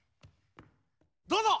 どうぞ！